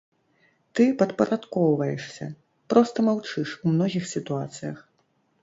Ты падпарадкоўваешся, проста маўчыш у многіх сітуацыях.